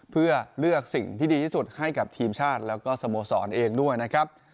เพื่อเลือกสิ่งที่ดีที่สุดให้กับทีมชาติแล้วก็สโมสรเองด้วยนะครับ